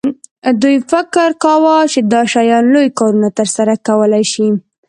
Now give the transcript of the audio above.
دوی فکر کاوه چې دا شیان لوی کارونه ترسره کولی شي